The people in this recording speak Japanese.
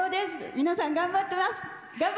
皆さん、頑張ってます。